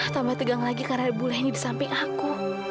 tambah tegang lagi karena bule ini di samping aku